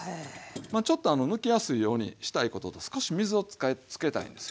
まあちょっとむきやすいようにしたいことと少し水をつけたいんですよ。